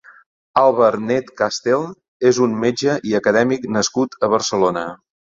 Àlvar Net Castel és un metge i acadèmic nascut a Barcelona.